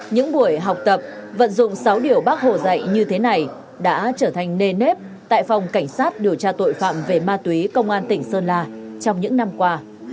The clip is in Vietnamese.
những buổi học tập vận dụng sáu điều bác hồ dạy như thế này đã trở thành nề nếp tại phòng cảnh sát điều tra tội phạm về ma túy công an tỉnh sơn la trong những năm qua